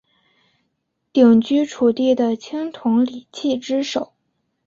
鼎居楚地的青铜礼器之首。